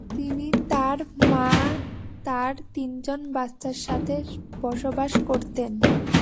তিনি তার মা তার তিনজন বাচ্চার সাথে বসবাস করতেন।